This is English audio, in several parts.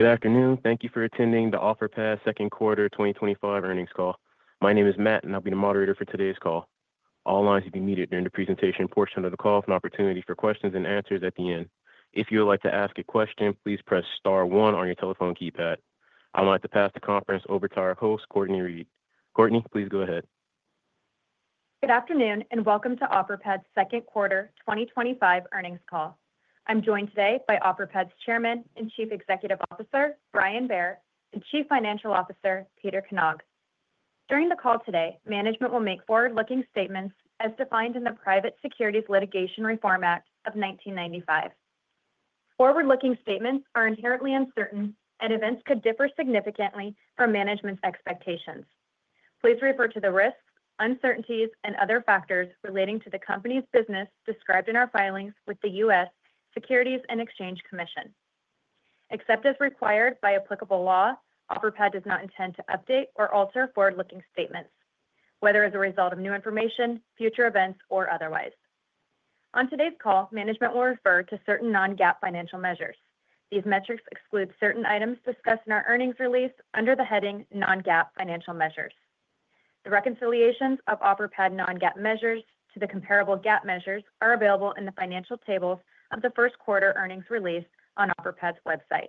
Good afternoon. Thank you for attending the Offerpad Second Quarter 2025 Earnings Call. My name is Matt, and I'll be the moderator for today's call. All lines will be muted during the presentation portion of the call for an opportunity for questions and answers at the end. If you would like to ask a question, please press star one on your telephone keypad. I would like to pass the conference over to our host, Cortney Reed. Cortney, please go ahead. Good afternoon and welcome to Offerpad's Second Quarter 2025 Earnings Call. I'm joined today by Offerpad's Chairman and Chief Executive Officer, Brian Bair, and Chief Financial Officer, Peter Knag. During the call today, management will make forward-looking statements as defined in the Private Securities Litigation Reform Act of 1995. Forward-looking statements are inherently uncertain, and events could differ significantly from management's expectations. Please refer to the risks, uncertainties, and other factors relating to the company's business described in our filings with the U.S. Securities and Exchange Commission. Except as required by applicable law, Offerpad does not intend to update or alter forward-looking statements, whether as a result of new information, future events, or otherwise. On today's call, management will refer to certain non-GAAP financial measures. These metrics exclude certain items discussed in our earnings release under the heading Non-GAAP Financial Measures. The reconciliations of Offerpad non-GAAP measures to the comparable GAAP measures are available in the financial tables of the first quarter earnings release on Offerpad's website.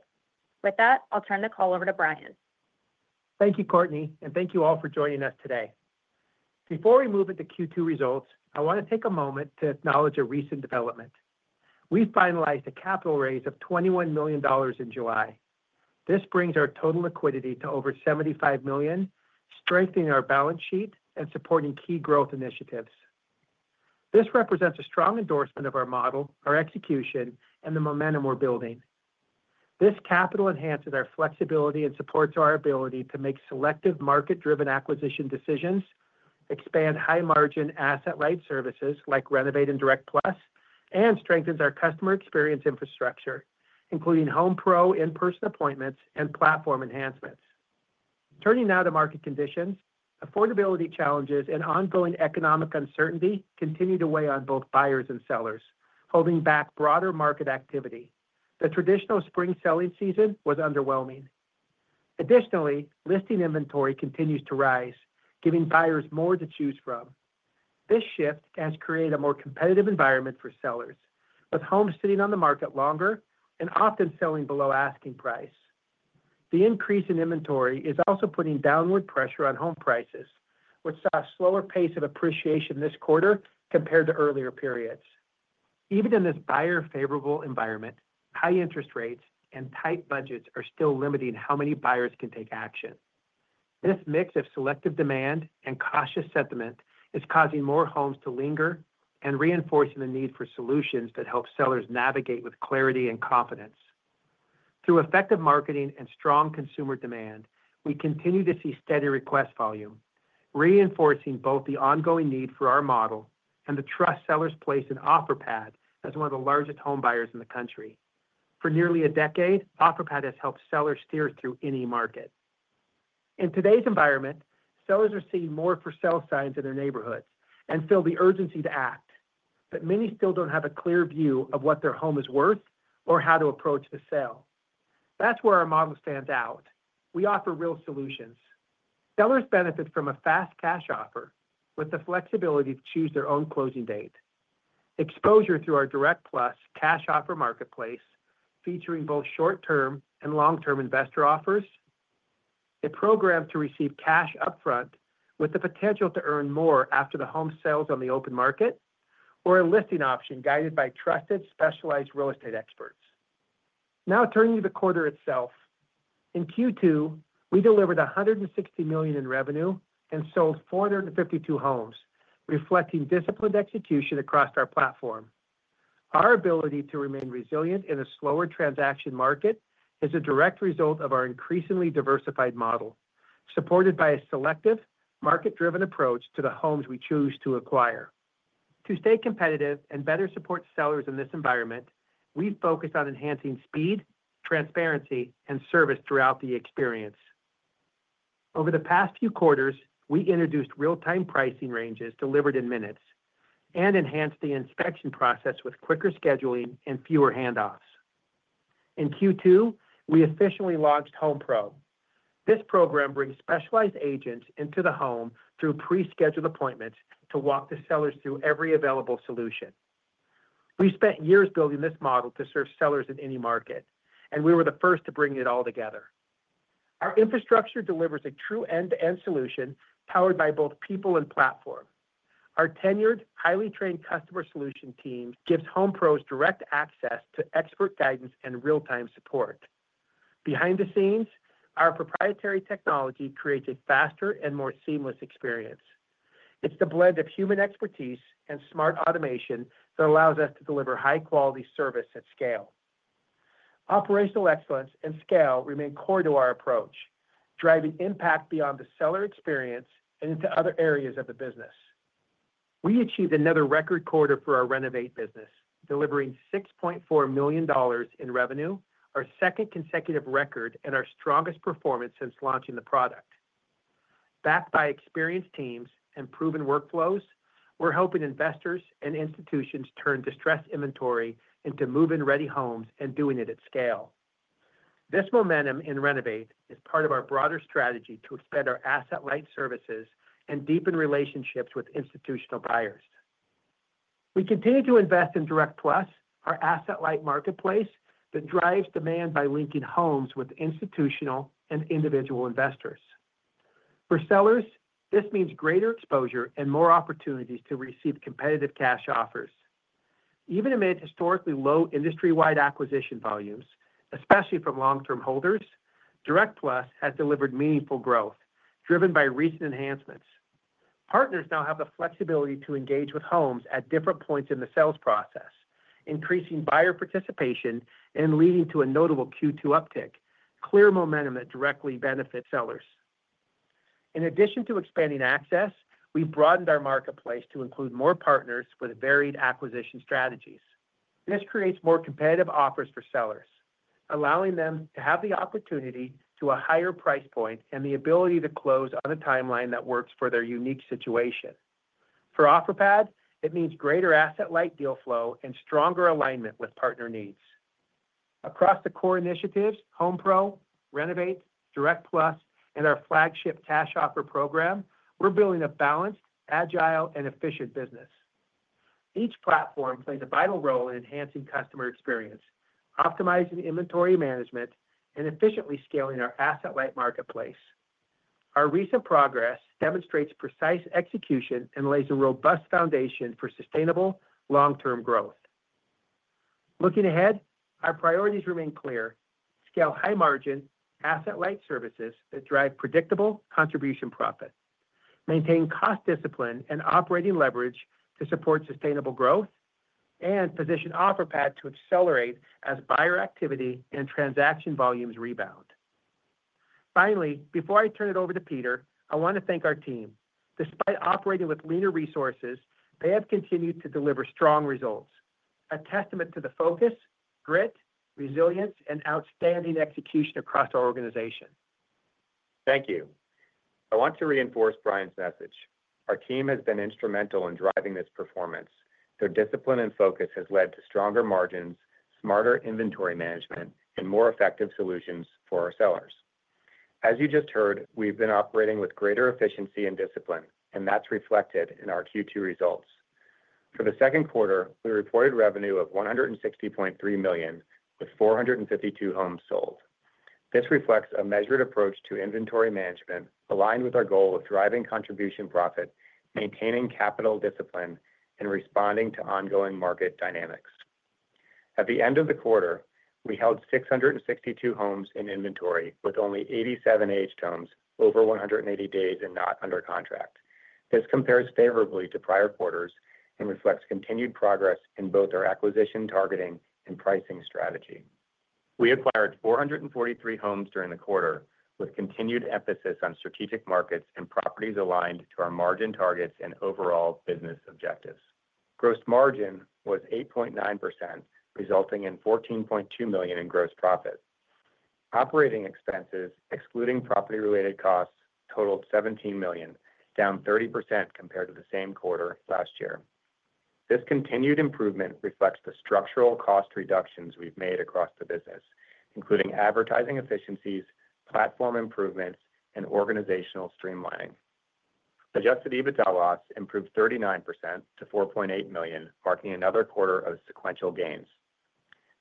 With that, I'll turn the call over to Brian. Thank you, Cortney, and thank you all for joining us today. Before we move into Q2 results, I want to take a moment to acknowledge a recent development. We've finalized a capital raise of $21 million in July. This brings our total liquidity to over $75 million, strengthening our balance sheet and supporting key growth initiatives. This represents a strong endorsement of our model, our execution, and the momentum we're building. This capital enhances our flexibility and supports our ability to make selective market-driven acquisition decisions, expand high-margin asset-light services like Renovate and Direct+ and strengthens our customer experience infrastructure, including HomePro in-person appointments and platform enhancements. Turning now to market conditions, affordability challenges and ongoing economic uncertainty continue to weigh on both buyers and sellers, holding back broader market activity. The traditional spring selling season was underwhelming. Additionally, listing inventory continues to rise, giving buyers more to choose from. This shift has created a more competitive environment for sellers, with homes sitting on the market longer and often selling below asking price. The increase in inventory is also putting downward pressure on home prices, which saw a slower pace of appreciation this quarter compared to earlier periods. Even in this buyer-favorable environment, high interest rates and tight budgets are still limiting how many buyers can take action. This mix of selective demand and cautious sentiment is causing more homes to linger and reinforcing the need for solutions that help sellers navigate with clarity and confidence. Through effective marketing and strong consumer demand, we continue to see steady request volume, reinforcing both the ongoing need for our model and the trust sellers place in Offerpad as one of the largest home buyers in the country. For nearly a decade, Offerpad has helped sellers steer through any market. In today's environment, sellers are seeing more for-sale signs in their neighborhoods and feel the urgency to act, but many still don't have a clear view of what their home is worth or how to approach the sale. That's where our model stands out. We offer real solutions. Sellers benefit from a fast cash offer with the flexibility to choose their own closing date. Exposure through our Direct+ cash offer marketplace, featuring both short-term and long-term investor offers, a program to receive cash upfront with the potential to earn more after the home sells on the open market, or a listing option guided by trusted specialized real estate experts. Now turning to the quarter itself, in Q2, we delivered $160 million in revenue and sold 452 homes, reflecting disciplined execution across our platform. Our ability to remain resilient in a slower transaction market is a direct result of our increasingly diversified model, supported by a selective, market-driven approach to the homes we choose to acquire. To stay competitive and better support sellers in this environment, we've focused on enhancing speed, transparency, and service throughout the experience. Over the past few quarters, we introduced real-time pricing ranges delivered in minutes and enhanced the inspection process with quicker scheduling and fewer handoffs. In Q2, we officially launched HomePro. This program brings specialized agents into the home through pre-scheduled appointments to walk the sellers through every available solution. We've spent years building this model to serve sellers in any market, and we were the first to bring it all together. Our infrastructure delivers a true end-to-end solution powered by both people and platform. Our tenured, highly trained customer solution team gives HomePros direct access to expert guidance and real-time support. Behind the scenes, our proprietary technology creates a faster and more seamless experience. It's the blend of human expertise and smart automation that allows us to deliver high-quality service at scale. Operational excellence and scale remain core to our approach, driving impact beyond the seller experience and into other areas of the business. We achieved another record quarter for our Renovate business, delivering $6.4 million in revenue, our second consecutive record, and our strongest performance since launching the product. Backed by experienced teams and proven workflows, we're helping investors and institutions turn distressed inventory into move-in-ready homes and doing it at scale. This momentum in Renovate is part of our broader strategy to expand our asset-light services and deepen relationships with institutional buyers. We continue to invest in Direct+, our asset-light marketplace that drives demand by linking homes with institutional and individual investors. For sellers, this means greater exposure and more opportunities to receive competitive cash offers. Even amid historically low industry-wide acquisition volumes, especially from long-term holders, Direct+ has delivered meaningful growth, driven by recent enhancements. Partners now have the flexibility to engage with homes at different points in the sales process, increasing buyer participation and leading to a notable Q2 uptick, clear momentum that directly benefits sellers. In addition to expanding access, we've broadened our marketplace to include more partners with varied acquisition strategies. This creates more competitive offers for sellers, allowing them to have the opportunity to a higher price point and the ability to close on a timeline that works for their unique situation. For Offerpad, it means greater asset-light deal flow and stronger alignment with partner needs. Across the core initiatives, HomePro, Renovate, Direct+, and our flagship cash offer program, we're building a balanced, agile, and efficient business. Each platform plays a vital role in enhancing customer experience, optimizing inventory management, and efficiently scaling our asset-light marketplace. Our recent progress demonstrates precise execution and lays a robust foundation for sustainable long-term growth. Looking ahead, our priorities remain clear: scale high-margin asset-light services that drive predictable contribution profit, maintain cost discipline and operating leverage to support sustainable growth, and position Offerpad to accelerate as buyer activity and transaction volumes rebound. Finally, before I turn it over to Peter, I want to thank our team. Despite operating with leaner resources, they have continued to deliver strong results, a testament to the focus, grit, resilience, and outstanding execution across our organization. Thank you. I want to reinforce Brian's message. Our team has been instrumental in driving this performance. Their discipline and focus have led to stronger margins, smarter inventory management, and more effective solutions for our sellers. As you just heard, we've been operating with greater efficiency and discipline, and that's reflected in our Q2 results. For the second quarter, we reported revenue of $160.3 million with 452 homes sold. This reflects a measured approach to inventory management aligned with our goal of driving contribution profit, maintaining capital discipline, and responding to ongoing market dynamics. At the end of the quarter, we held 662 homes in inventory with only 87 aged homes over 180 days and not under contract. This compares favorably to prior quarters and reflects continued progress in both our acquisition targeting and pricing strategy. We acquired 443 homes during the quarter with continued emphasis on strategic markets and properties aligned to our margin targets and overall business objectives. Gross margin was 8.9%, resulting in $14.2 million in gross profit. Operating expenses, excluding property-related costs, totaled $17 million, down 30% compared to the same quarter last year. This continued improvement reflects the structural cost reductions we've made across the business, including advertising efficiencies, platform improvements, and organizational streamlining. Adjusted EBITDA loss improved 39% to $4.8 million, marking another quarter of sequential gains.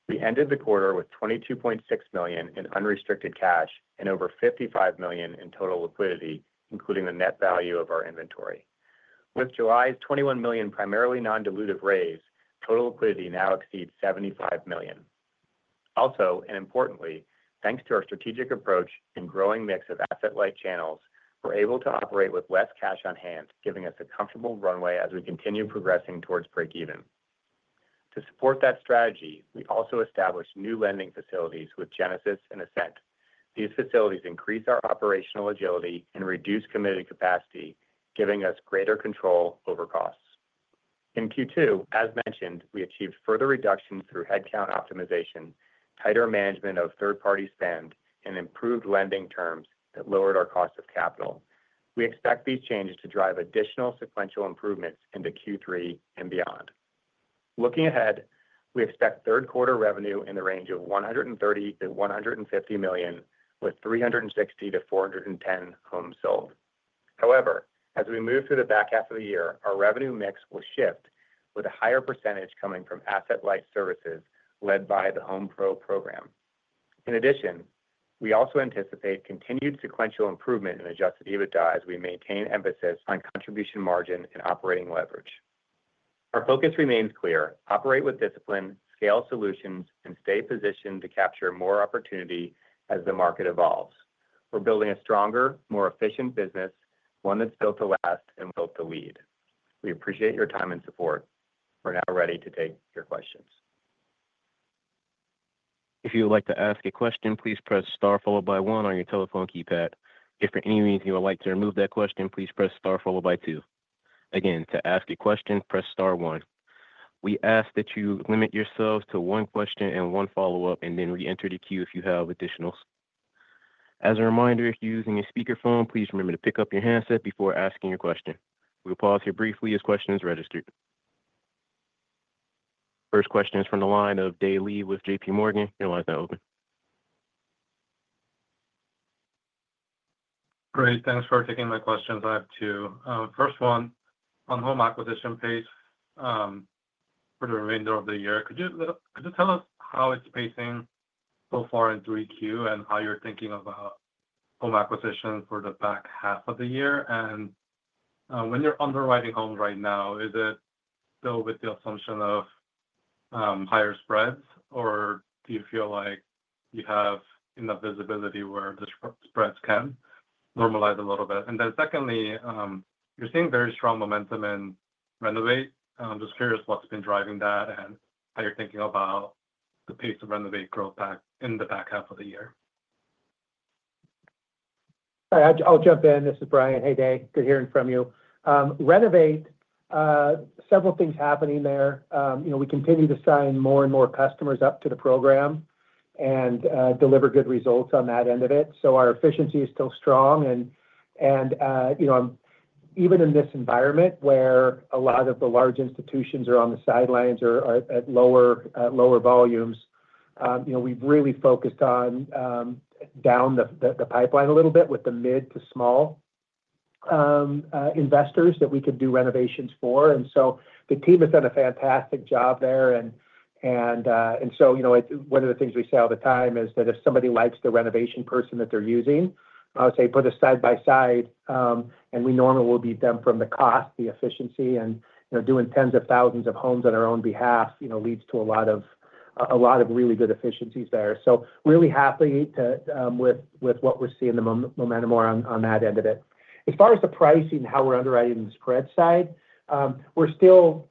We ended the quarter with $22.6 million in unrestricted cash and over $55 million in total liquidity, including the net value of our inventory. With July's $21 million primarily non-dilutive raise, total liquidity now exceeds $75 million. Also, and importantly, thanks to our strategic approach and growing mix of asset-light channels, we're able to operate with less cash on hand, giving us a comfortable runway as we continue progressing towards breakeven. To support that strategy, we also established new lending facilities with Genesis and Ascent. These facilities increase our operational agility and reduce committed capacity, giving us greater control over costs. In Q2, as mentioned, we achieved further reduction through headcount optimization, tighter management of third-party spend, and improved lending terms that lowered our cost of capital. We expect these changes to drive additional sequential improvements into Q3 and beyond. Looking ahead, we expect third quarter revenue in the range of $130 million-$150 million, with 360 homes-410 homes sold. However, as we move through the back half of the year, our revenue mix will shift with a higher percentage coming from asset-light services led by the HomePro program. In addition, we also anticipate continued sequential improvement in adjusted EBITDA as we maintain emphasis on contribution margin and operating leverage. Our focus remains clear: operate with discipline, scale solutions, and stay positioned to capture more opportunity as the market evolves. We're building a stronger, more efficient business, one that's built to last and built to lead. We appreciate your time and support. We're now ready to take your questions. If you would like to ask a question, please press star followed by one on your telephone keypad. If for any reason you would like to remove that question, please press star followed by two. Again, to ask a question, press star one. We ask that you limit yourselves to one question and one follow-up, and then re-enter the queue if you have additionals. As a reminder, if you're using a speakerphone, please remember to pick up your handset before asking your question. We'll pause here briefly as questions register. First question is from the line of Dae Lee with JPMorgan. Your line's now open. Great. Thanks for taking my questions live too. First one, on home acquisition pace for the remainder of the year, could you tell us how it's pacing so far in Q3 and how you're thinking about home acquisition for the back half of the year? When you're underwriting homes right now, is it still with the assumption of higher spreads or do you feel like you have enough visibility where the spreads can normalize a little bit? Secondly, you're seeing very strong momentum in Renovate. I'm just curious what's been driving that and how you're thinking about the pace of Renovate growth in the back half of the year. I'll jump in. This is Brian. Hey, Dae. Good hearing from you. Renovate, several things happening there. We continue to sign more and more customers up to the program and deliver good results on that end of it. Our efficiency is still strong. Even in this environment where a lot of the large institutions are on the sidelines or at lower volumes, we've really focused down the pipeline a little bit with the mid to small investors that we could do renovations for. The team has done a fantastic job there. One of the things we say all the time is that if somebody likes the renovation person that they're using, I'll say put a side-by-side, and we normally will beat them from the cost, the efficiency. Doing tens of thousands of homes on our own behalf leads to a lot of really good efficiencies there. Really happy with what we're seeing in the momentum on that end of it. As far as the pricing and how we're underwriting the spread side, we're still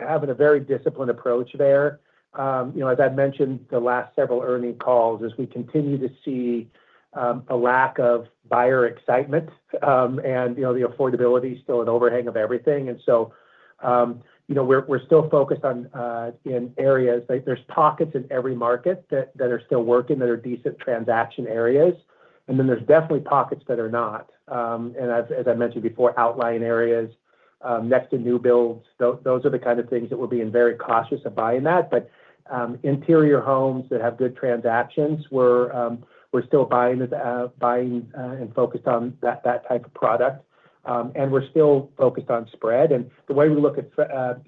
having a very disciplined approach there. As I've mentioned the last several earnings calls, as we continue to see a lack of buyer excitement and the affordability is still an overhang of everything. We're still focused on areas that there's pockets in every market that are still working that are decent transaction areas. There are definitely pockets that are not. As I mentioned before, outlying areas next to new builds, those are the kind of things that we're being very cautious of buying. Interior homes that have good transactions, we're still buying and focused on that type of product. We're still focused on spread. The way we look at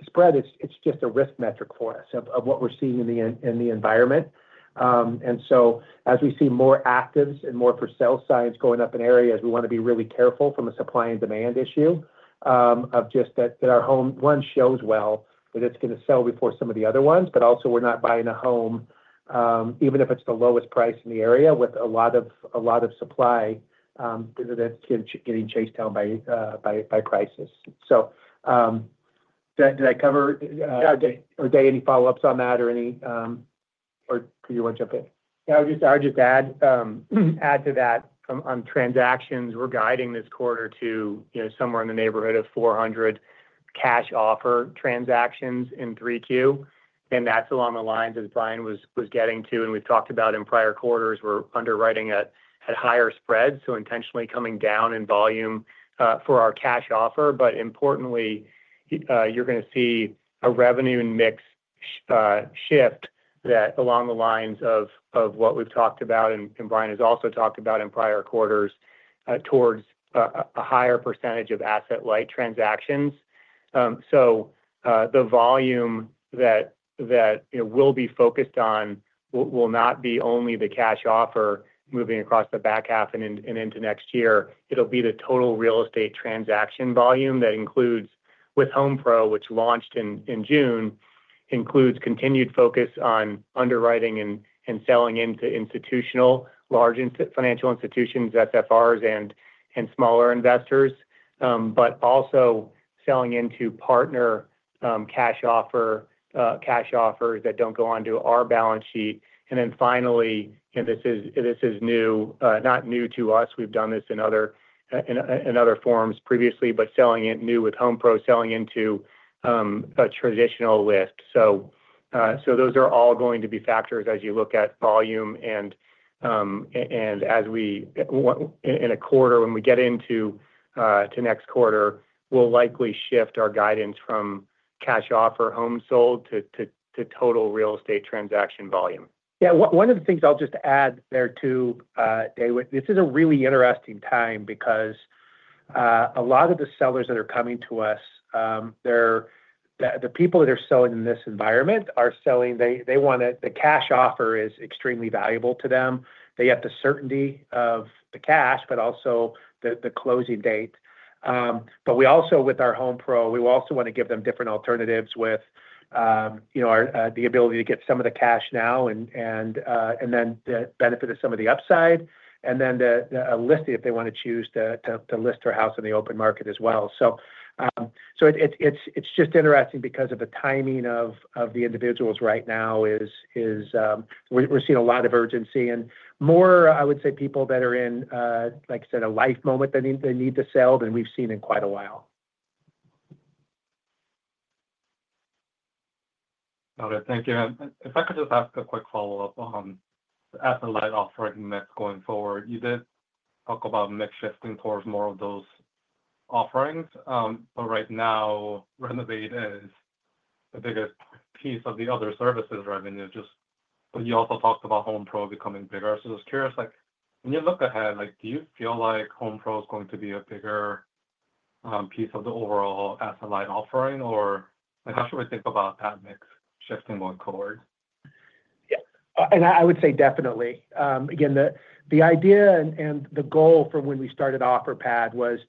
spread, it's just a risk metric for us of what we're seeing in the environment. As we see more actives and more for-sale signs going up in areas, we want to be really careful from a supply and demand issue that our home one shows well, that it's going to sell before some of the other ones. We're not buying a home, even if it's the lowest price in the area, with a lot of supply that's getting chased down by prices. Did I cover? Are there any follow-ups on that or you want to jump in? I would just add to that on transactions, we're guiding this quarter to somewhere in the neighborhood of 400 cash offer transactions in 3Q. That's along the lines that Brian was getting to and we've talked about in prior quarters. We're underwriting at higher spreads, so intentionally coming down in volume for our cash offer. Importantly, you're going to see a revenue mix shift that is along the lines of what we've talked about and Brian has also talked about in prior quarters towards a higher percentage of asset-light transactions. The volume that we'll be focused on will not be only the cash offer moving across the back half and into next year. It'll be the total real estate transaction volume that includes with HomePro, which launched in June, includes continued focus on underwriting and selling into institutional large financial institutions, FFRs, and smaller investors, but also selling into partner cash offers that don't go onto our balance sheet. Finally, and this is new, not new to us. We've done this in other forms previously, but selling it new with HomePro, selling into a traditional list. Those are all going to be factors as you look at volume. As we end a quarter, when we get into next quarter, we'll likely shift our guidance from cash offer homes sold to total real estate transaction volume. Yeah, one of the things I'll just add there too, Dae, this is a really interesting time because a lot of the sellers that are coming to us, the people that are selling in this environment are selling, they want the cash offer, it is extremely valuable to them. They have the certainty of the cash, but also the closing date. We also, with our HomePro, want to give them different alternatives with the ability to get some of the cash now and then the benefit of some of the upside and then a listing if they want to choose to list their house in the open market as well. It is just interesting because of the timing of the individuals right now, we are seeing a lot of urgency and more, I would say, people that are in, like I said, a life moment that they need to sell than we've seen in quite a while. Got it. Thank you. If I could just ask a quick follow-up on the asset-light offering mix going forward, you did talk about mix shifting towards more of those offerings. Right now, Renovate is the biggest piece of the other services revenue. You also talked about HomePro becoming bigger. I was curious, when you look ahead, do you feel like HomePro is going to be a bigger piece of the overall asset-light offering? How should we think about that mix shifting going forward? Yeah, I would say definitely. The idea and the goal from when we started Offerpad was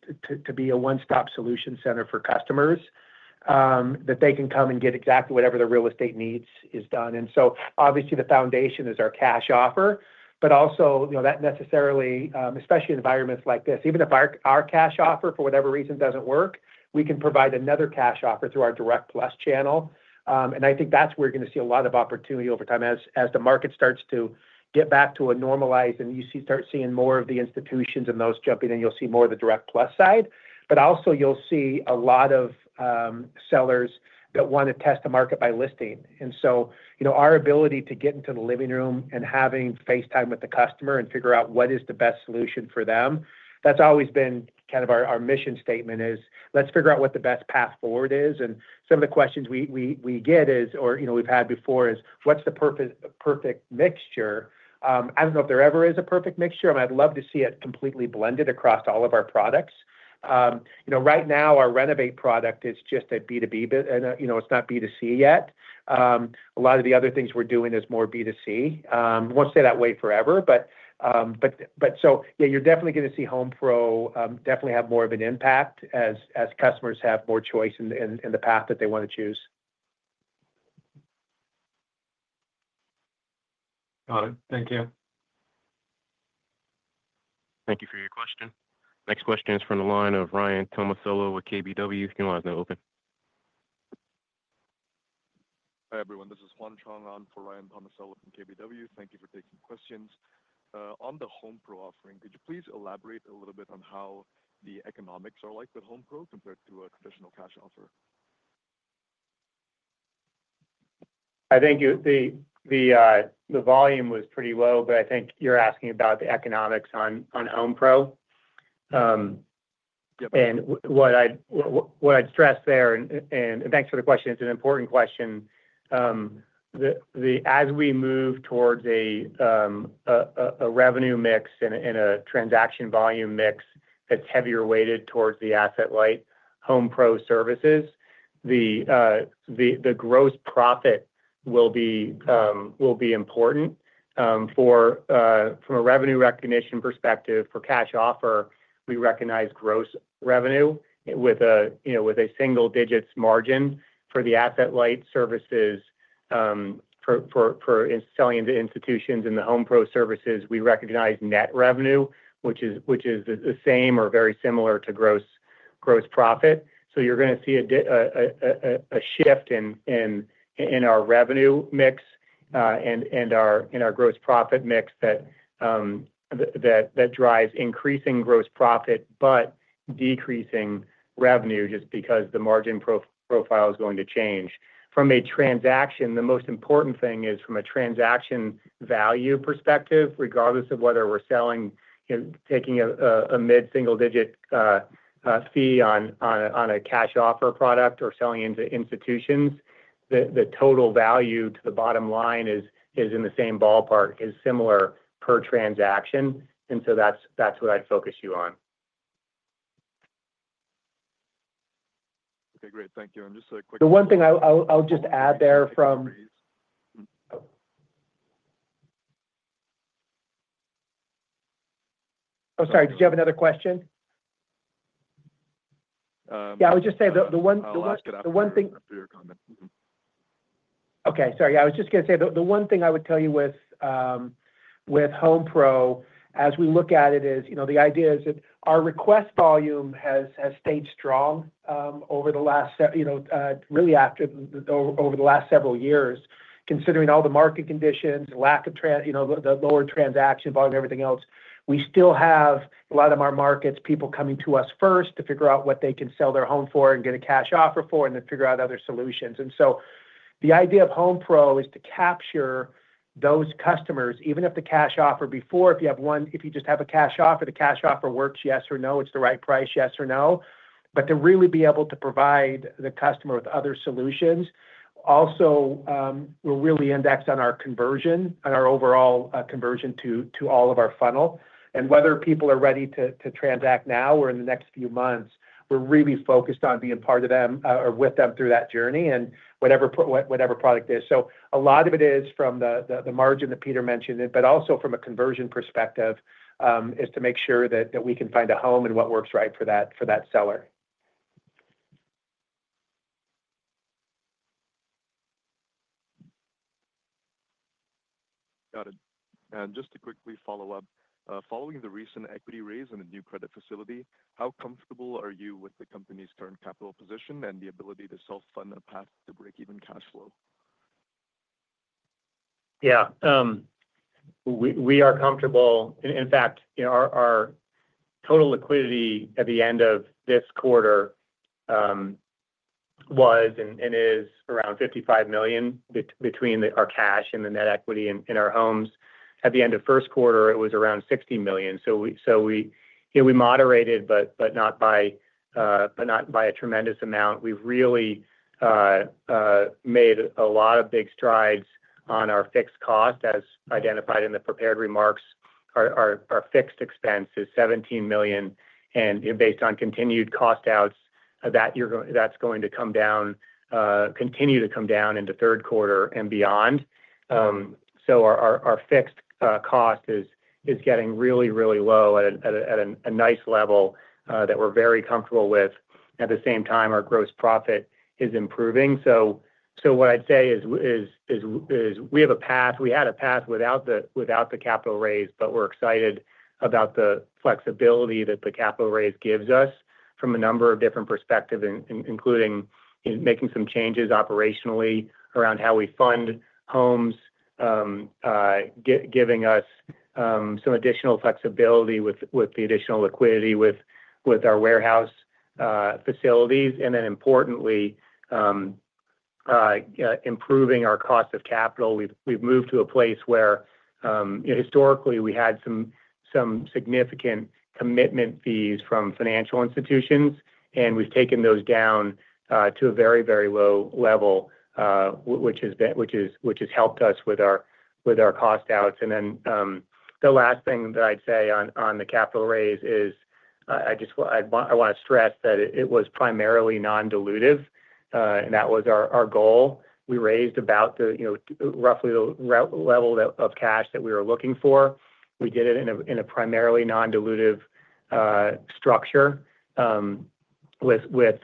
to be a one-stop solution center for customers that they can come and get exactly whatever their real estate needs is done. Obviously, the foundation is our cash offer. Also, you know, that necessarily, especially in environments like this, even if our cash offer for whatever reason doesn't work, we can provide another cash offer through our Direct+ channel. I think that's where you're going to see a lot of opportunity over time as the market starts to get back to a normalized and you start seeing more of the institutions and those jumping in, you'll see more of the Direct+ side. You'll also see a lot of sellers that want to test the market by listing. Our ability to get into the living room and have face time with the customer and figure out what is the best solution for them, that's always been kind of our mission statement: let's figure out what the best path forward is. Some of the questions we get, or you know, we've had before, is what's the perfect mixture? I don't know if there ever is a perfect mixture. I'd love to see it completely blended across all of our products. Right now, our Renovate product is just a B2B, and you know, it's not B2C yet. A lot of the other things we're doing is more B2C. I won't say that way forever, but yeah, you're definitely going to see HomePro definitely have more of an impact as customers have more choice in the path that they want to choose. Got it. Thank you. Thank you for your question. Next question is from the line of Ryan Tomasello with KBW. Your line's now open. Hi everyone, this is Juan Chung on for Ryan Tomasello from KBW. Thank you for taking questions. On the HomePro offering, could you please elaborate a little bit on how the economics are like with HomePro compared to a traditional cash offer? I think the volume was pretty low, but I think you're asking about the economics on HomePro. What I'd stress there, and thanks for the question, it's an important question. As we move towards a revenue mix and a transaction volume mix that's heavier weighted towards the asset-light HomePro services, the gross profit will be important. From a revenue recognition perspective, for cash offer, we recognize gross revenue with a single-digit margin. For the asset-light services, for selling into institutions and the HomePro services, we recognize net revenue, which is the same or very similar to gross profit. You're going to see a shift in our revenue mix and our gross profit mix that drives increasing gross profit but decreasing revenue just because the margin profile is going to change. From a transaction, the most important thing is from a transaction value perspective, regardless of whether we're selling, taking a mid-single-digit fee on a cash offer product or selling into institutions, the total value to the bottom line is in the same ballpark, is similar per transaction. That's what I'd focus you on. Okay, great. Thank you. Just a quick. The one thing I'll add there is the one thing I would tell you with HomePro as we look at it is, you know, the idea is that our request volume has stayed strong over the last several years, considering all the market conditions, lack of, you know, the lower transaction volume, everything else. We still have a lot of our markets, people coming to us first to figure out what they can sell their home for and get a cash offer for and then figure out other solutions. The idea of HomePro is to capture those customers, even if the cash offer before, if you have one, if you just have a cash offer, the cash offer works, yes or no, it's the right price, yes or no. To really be able to provide the customer with other solutions, we'll really index on our conversion, on our overall conversion to all of our funnel. Whether people are ready to transact now or in the next few months, we're really focused on being part of them or with them through that journey and whatever product it is. A lot of it is from the margin that Peter mentioned, but also from a conversion perspective is to make sure that we can find a home and what works right for that seller. Got it. Just to quickly follow up, following the recent equity raise and a new credit facility, how comfortable are you with the company's current capital position and the ability to self-fund a path to break-even cash flow? Yeah, we are comfortable. In fact, our total liquidity at the end of this quarter was and is around $55 million between our cash and the net equity in our homes. At the end of first quarter, it was around $60 million. We moderated, but not by a tremendous amount. We really made a lot of big strides on our fixed cost, as identified in the prepared remarks. Our fixed expense is $17 million, and based on continued cost-outs, that's going to come down, continue to come down into third quarter and beyond. Our fixed cost is getting really, really low at a nice level that we're very comfortable with. At the same time, our gross profit is improving. What I'd say is we have a path. We had a path without the capital raise, but we're excited about the flexibility that the capital raise gives us from a number of different perspectives, including making some changes operationally around how we fund homes, giving us some additional flexibility with the additional liquidity with our warehouse facilities. Importantly, improving our cost of capital. We've moved to a place where historically we had some significant commitment fees from financial institutions, and we've taken those down to a very, very low level, which has helped us with our cost-outs. The last thing that I'd say on the capital raise is I just want to stress that it was primarily non-dilutive, and that was our goal. We raised about the, you know, roughly the level of cash that we were looking for. We did it in a primarily non-dilutive structure. We met with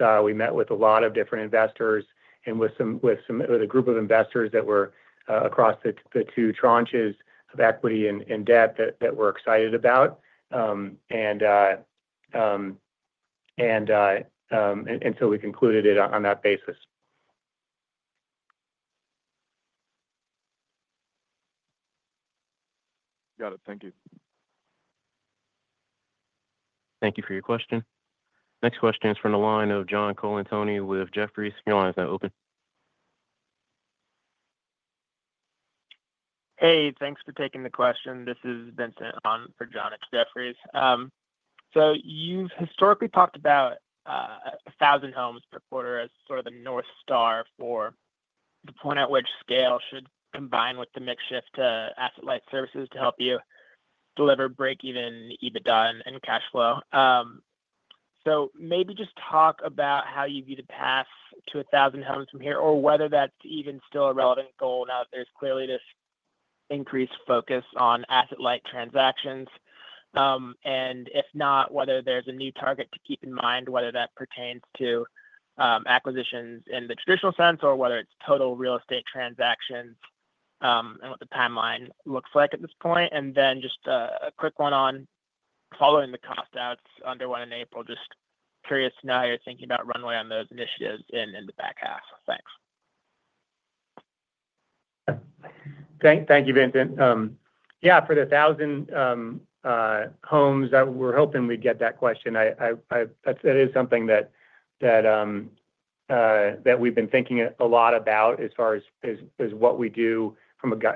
a lot of different investors and with a group of investors that were across the two tranches of equity and debt that we're excited about, and we concluded it on that basis. Got it. Thank you. Thank you for your question. Next question is from the line of John Colantoni with Jefferies. Your line's now open. Hey, thanks for taking the question. This is Vincent for John. It's Jeffries. You've historically talked about a thousand homes per quarter as sort of the North Star for the point at which scale should combine with the mix shift to asset-light services to help you deliver break-even EBITDA and cash flow. Maybe just talk about how you view the path to a thousand homes from here or whether that's even still a relevant goal now that there's clearly this increased focus on asset-light transactions. If not, whether there's a new target to keep in mind, whether that pertains to acquisitions in the traditional sense or whether it's total real estate transactions and what the timeline looks like at this point. Just a quick one on following the cost-outs underwent in April. Curious to know how you're thinking about runway on those initiatives in the back half. Thanks. Thank you, Vincent. For the thousand homes, we were hoping we get that question. It is something that we've been thinking a lot about as far as what we do,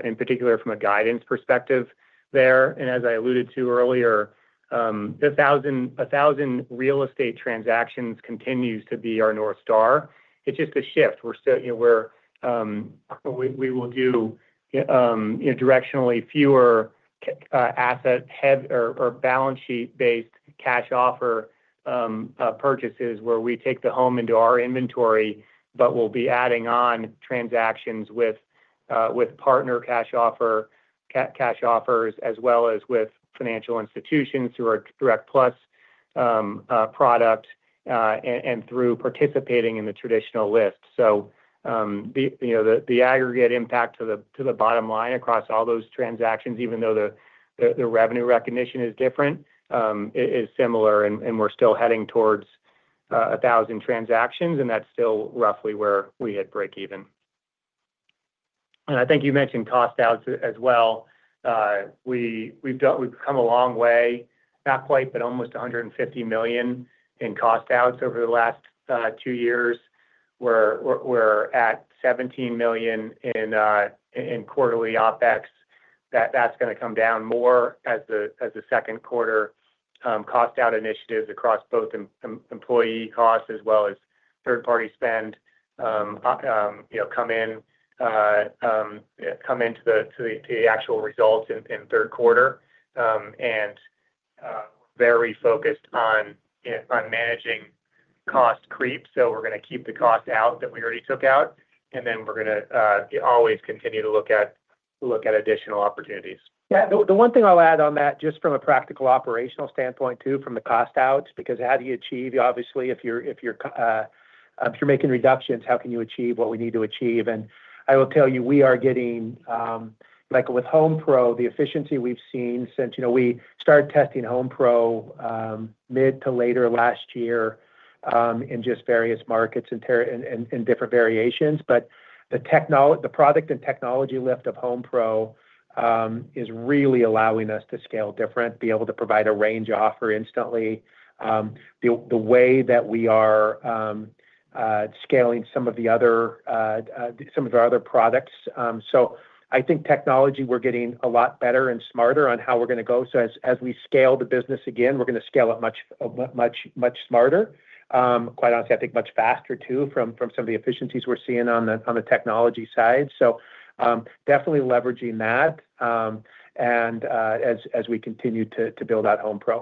in particular, from a guidance perspective there. As I alluded to earlier, a thousand real estate transactions continues to be our North Star. It's just a shift. We will do directionally fewer asset or balance sheet-based cash offer purchases where we take the home into our inventory, but we'll be adding on transactions with partner cash offers as well as with financial institutions through our Direct+ products and through participating in the traditional list. The aggregate impact to the bottom line across all those transactions, even though the revenue recognition is different, is similar, and we're still heading towards a thousand transactions, and that's still roughly where we hit break even. I think you mentioned cost-outs as well. We've come a long way, not quite, but almost $150 million in cost-outs over the last two years. We're at $17 million in quarterly OpEx. That's going to come down more as the second quarter cost-out initiatives across both employee costs as well as third-party spend come into the actual results in third quarter. Very focused on managing cost creep. We're going to keep the cost-out that we already took out, and then we're going to always continue to look at additional opportunities. Yeah, the one thing I'll add on that just from a practical operational standpoint too, from the cost-outs, because how do you achieve, obviously, if you're making reductions, how can you achieve what we need to achieve? I will tell you, we are getting, like with HomePro, the efficiency we've seen since, you know, we started testing HomePro mid to later last year in just various markets and different variations. The product and technology lift of HomePro is really allowing us to scale different, be able to provide a range offer instantly. The way that we are scaling some of our other products, I think technology, we're getting a lot better and smarter on how we're going to go. As we scale the business again, we're going to scale it much, much, much smarter. Quite honestly, I think much faster too from some of the efficiencies we're seeing on the technology side. Definitely leveraging that, and as we continue to build out HomePro.